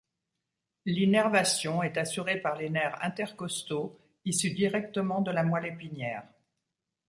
L'innervation est assurée par les nerfs inter-costaux issus directement de la moelle épinière.